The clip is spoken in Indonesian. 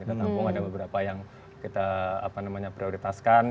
kita tampung ada beberapa yang kita apa namanya prioritaskan